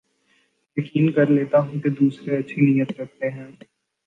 یقین کر لیتا ہوں کے دوسرے اچھی نیت رکھتے ہیں